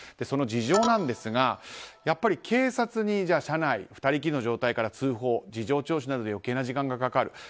その事情ですが、やっぱり警察に車内２人きりの状態から通報事情聴取などで余計な時間がかかる。